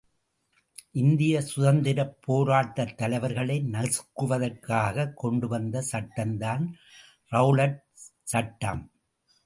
இந்திய சுதந்திரப் போராட்டத் தலைவர்களை நசுக்குவதற்காகக் கொண்டு வந்த சட்டம்தான் ரெளலட் சட்டம்.